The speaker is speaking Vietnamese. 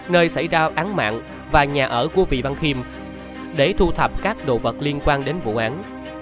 nơi xảy ra án mạng và nhà ở của vị văn khiêm để thu thập các đồ vật liên quan đến vụ án